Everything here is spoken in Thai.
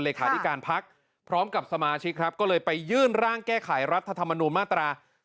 ที่การพักพร้อมกับสมาชิกครับก็เลยไปยื่นร่างแก้ไขรัฐธรรมนูญมาตรา๑๑